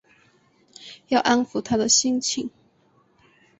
要安抚她的心情